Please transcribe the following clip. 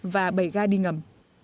và bảy ga đi ngầm